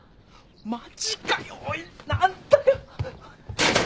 マジかよおい何だよ。